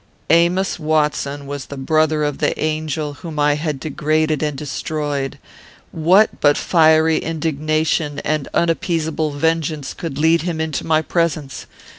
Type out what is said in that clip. "Amos Watson was the brother of the angel whom I had degraded and destroyed. What but fiery indignation and unappeasable vengeance could lead him into my presence?